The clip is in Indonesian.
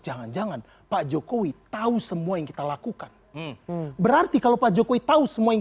jangan jangan pak jokowi tahu semua yang kita lakukan berarti kalau pak jokowi tahu semua yang